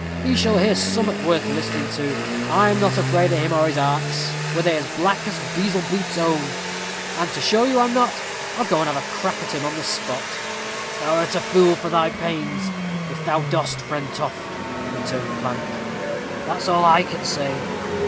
he shall hear summat worth listening to. I'm not afraid o' him or his arts, were they as black as Beelzebuth's own; and to show you I'm not, I'll go and have a crack with him on the spot." "Thou'rt a fool for thy pains, if thou dost, Friend Toft," returned Plant, "that's all I can say."